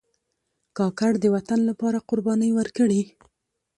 کاکړ د وطن لپاره قربانۍ ورکړي.